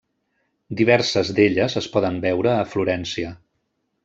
Diverses d'elles es poden veure a Florència.